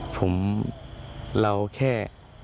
ผมเราแค่